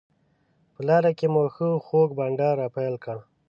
په لاره کې مو ښه خوږ بانډار راپیل کړ.